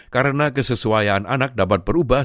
karena kesesuaian anak dapat berubah